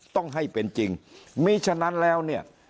ต้องให้เป็นจริงมีฉะนั้นแล้วเนี่ย